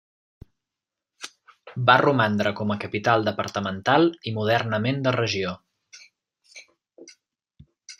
Va romandre com a capital departamental i modernament de regió.